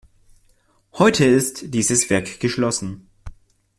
Heute ist dieses Werk geschlossen.